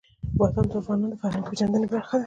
بادام د افغانانو د فرهنګي پیژندنې برخه ده.